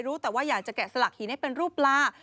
รู้แต่ว่าอยากจะแกะสลักหินให้เป็นรูปปลา